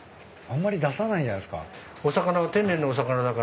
あまり出さないんじゃないっすか？